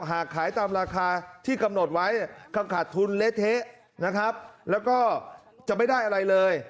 หากขายตามราคาที่กำหนดไว้เขาขาดทุนเละเทะนะครับแล้วก็จะไม่ได้อะไรเลย